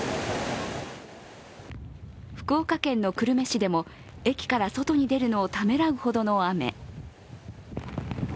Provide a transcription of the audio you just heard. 福岡県の久留米市でも駅から外に出るのをためらうほどの雨。